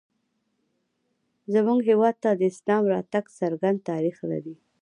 زموږ هېواد ته د اسلام راتګ څرګند تاریخ لري